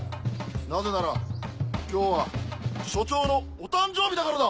なぜなら今日は署長のお誕生日だからだ！